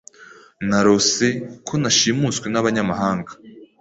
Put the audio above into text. Narose ko nashimuswe nabanyamahanga.